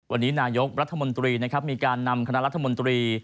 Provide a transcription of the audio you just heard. วันนี้นายกรัฐมนตรีนะครับมีการนำคณะรัฐมนตรี